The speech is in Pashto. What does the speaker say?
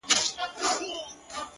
• دا مه وايه چي ژوند تر مرگ ښه دی ـ